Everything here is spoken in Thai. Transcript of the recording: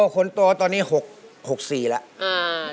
คนโตตอนนี้๖๔แล้ว